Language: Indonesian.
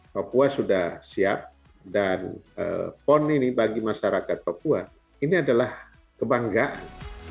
papua sudah siap dan pon ini bagi masyarakat papua ini adalah kebanggaan